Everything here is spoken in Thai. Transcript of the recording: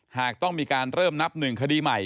หากต้องมีการเริ่มนับหนึ่งคดีใหม่